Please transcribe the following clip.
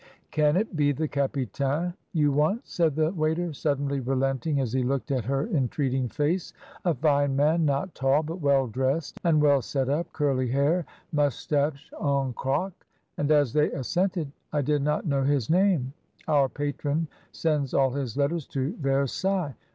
"Can it be the capitaine you want?" said the waiter, suddenly relenting, as he looked at her en treating face; "a fine man, not tall, but well dressed, and well set up, curly hair, moustache en croc? And as they assented, "I did not know his name; our patron sends all his letters to Versailles.